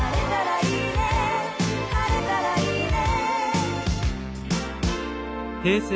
「晴れたらいいね」